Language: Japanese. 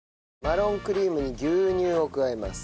マロンクリームに牛乳を加えます。